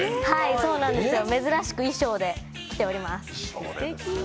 そうなんです、珍しく衣装で来ております。